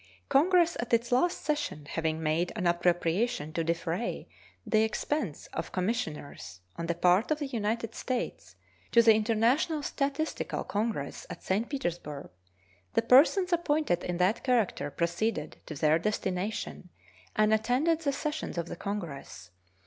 Congress at its last session having made an appropriation to defray the expense of commissioners on the part of the United States to the International Statistical Congress at St. Petersburg, the persons appointed in that character proceeded to their destination and attended the sessions of the congress.